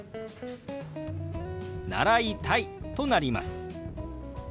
「習いたい」となります。